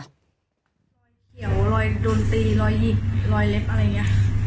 รอยเขียวรอยโดนตีรอยหยิกรอยเล็บอะไรอย่างนี้